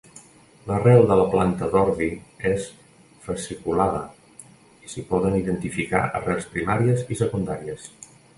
L'arrel de la planta d'ordi és fasciculada i s'hi poden identificar arrels primàries i secundàries.